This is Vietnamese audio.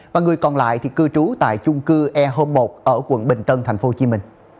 và người còn lại thì cư trú tại chung cư e một ở quận bình tân tp hcm